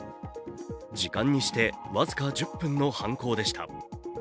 時間にして僅か１０分の犯行でした。